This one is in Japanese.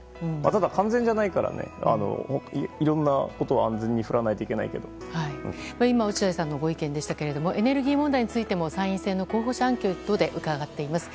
ただ完全じゃないからいろんなことをこれは落合さんのご意見でしたけどもエネルギー問題についても参院選の候補者アンケートで伺っています。